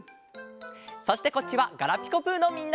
そしてこっちは「ガラピコぷ」のみんな。